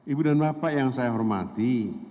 ibu dan bapak yang saya hormati